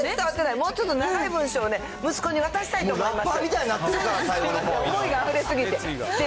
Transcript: もうちょっと長い文章をね、息子に渡したいと思います。